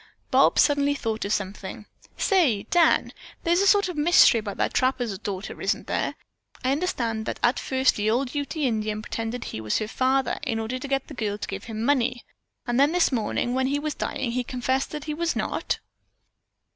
Bob suddenly thought of something. "Say, Dan, there is a sort of mystery about that trapper's daughter, isn't there? I understand that at first the old Ute Indian pretended he was her father in order to get the girl to give him money, and that this morning when he was dying he confessed that he was not."